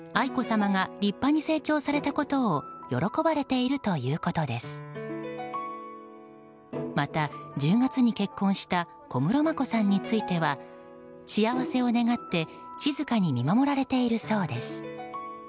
また、１０月に結婚した小室眞子さんについては幸せを願って静かに見守られているそうです。